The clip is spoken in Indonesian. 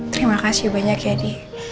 terima kasih banyak ya di